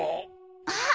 あっ！